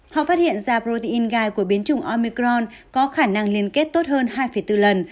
họ phát hiện da prodin gai của biến chủng omicron có khả năng liên kết tốt hơn hai bốn lần